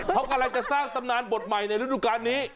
เขากำลังจะสร้างตำนานบทใหม่ในฤดูการนี้